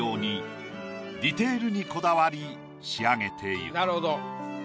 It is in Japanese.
ディテールにこだわり仕上げていく。